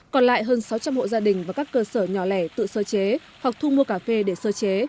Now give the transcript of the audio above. còn lại hơn sáu trăm linh hộ gia đình và các cơ sở nhỏ lẻ tự sơ chế hoặc thu mua cà phê để sơ chế